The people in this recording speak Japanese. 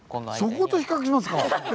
そこと比較しますか！